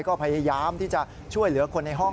ก็พยายามที่จะช่วยเหลือคนในห้อง